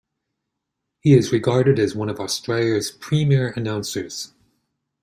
He is regarded as one of Australia's premier announcers.